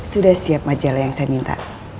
sudah siap majalah yang saya minta